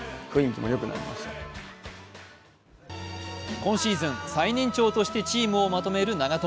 今シーズン、最年長としてチームをまとめる長友。